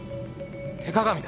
手鏡だ！